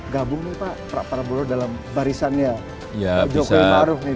gabung nih pak prabowo dalam barisannya jokowi maruf nih